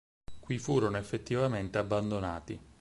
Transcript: Qui furono effettivamente abbandonati.